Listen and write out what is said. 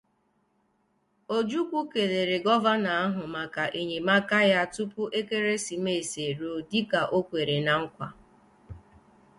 Ojukwu kelere gọvanọ ahụ maka enyemaka ya tupu Ekeresimesi eruo dịka o kwere ná nkwa